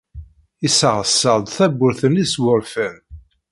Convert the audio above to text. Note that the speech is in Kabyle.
Yeṣṣeɛṣeɛ-d tawwurt-nni s wurfan.